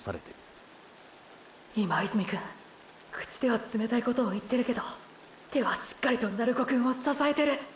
今泉くん口では冷たいことを言ってるけど手はしっかりと鳴子くんを支えてる。